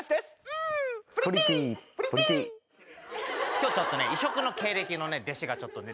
今日ちょっとね異色の経歴のね弟子がちょっとね